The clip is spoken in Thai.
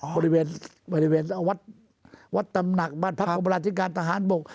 บริเวณวัดตำหนักบ้านพักอบราชิการทหารบก